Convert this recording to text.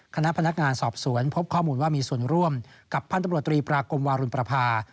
คณะพนักงานสอบสวนพบข้อมูลว่ามีส่วนร่วมกับพันธบรตรีปรากมวารุณประพา